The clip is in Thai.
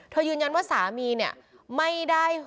เธอยืนยันว่าสามีเนี่ย